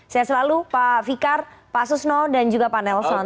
saya selalu pak fikar pak susno dan juga pak nelson